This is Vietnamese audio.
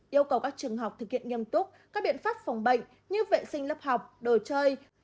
yêu cầu các trường học thực hiện nghiêm túc các biện pháp phòng bệnh như vệ sinh lớp học đồ chơi